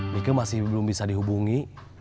mika masih belum bisa dihubungi